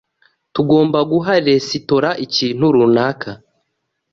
Tugomba guha resitora igihe runaka.